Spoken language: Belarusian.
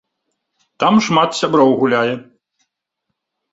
Там шмат сяброў гуляе.